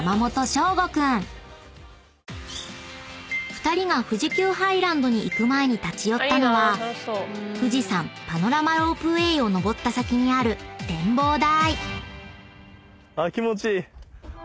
［２人が富士急ハイランドに行く前に立ち寄ったのは富士山パノラマロープウェイを上った先にある展望台］